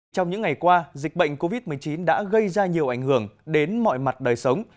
trong những ngày qua dịch bệnh covid một mươi chín đã gây ra nhiều ảnh hưởng đến mọi mặt đời sống